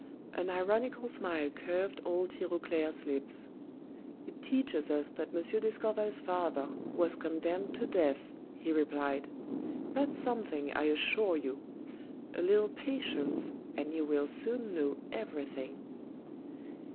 An ironical smile curved old Tirauclair's lips. "It teaches us that M. d'Escorval's father was condemned to death," he replied. "That's something, I assure you. A little patience, and you will soon know everything."